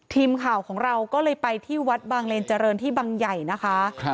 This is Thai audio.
ทีมข่าวของเราก็เลยไปที่วัดบางเลนเจริญที่บางใหญ่นะคะ